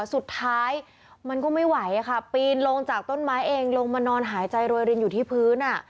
สุดท้ายมันก็ไม่ไหวค่ะปีนลงจากต้นไม้เองลงมานอนหายใจโรยรินอยู่ที่พื้น